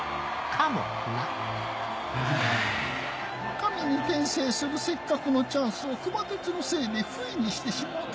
神に転生するせっかくのチャンスを熊徹のせいでフイにしてしもうた。